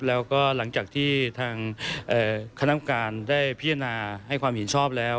แล้วก็หลังจากที่ทางคณะกรรมการได้พิจารณาให้ความเห็นชอบแล้ว